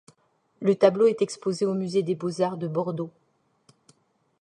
Le tableau est exposée au Musée des beaux arts de Bordeaux.